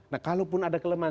nah kalaupun ada kelemahan